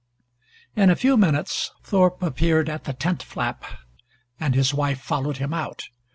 In a few minutes Thorpe appeared at the tent flap and his wife followed him out.